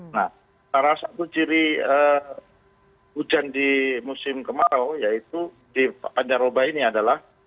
nah salah satu ciri hujan di musim kemarau yaitu di pancaroba ini adalah